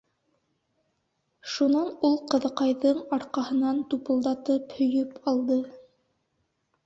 - Шунан ул ҡыҙыҡайҙың арҡапынан тупалдатып һөйөп алды.